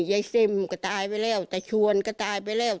ยายเซ่มก็ตายไปแล้วตะชวนก็ตายไปแล้ว